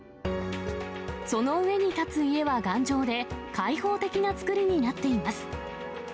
その上に建つ家は頑丈で、開放的な造りになっています。